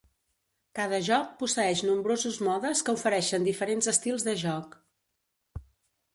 Cada joc posseeix nombrosos modes que ofereixen diferents estils de joc.